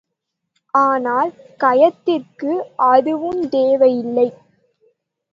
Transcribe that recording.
ஆனால் கயத்திற்கு அதுவுந்தேவையில்லை.